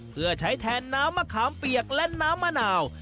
เพื่อใช้แทนน้ำมะขามเปียกและน้ำมะนาว